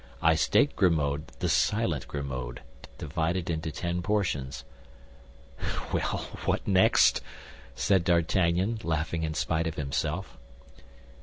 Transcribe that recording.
I staked Grimaud, the silent Grimaud, divided into ten portions." "Well, what next?" said D'Artagnan, laughing in spite of himself.